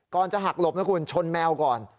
จะหักหลบนะคุณชนแมวก่อน